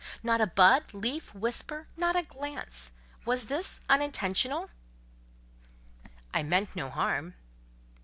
Not a bud, leaf, whisper—not a glance. Was this unintentional?" "I meant no harm."